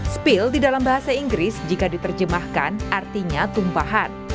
spill di dalam bahasa inggris jika diterjemahkan artinya tumpahan